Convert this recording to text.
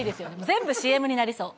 全部ＣＭになりそう。